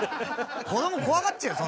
子ども怖がっちゃうよ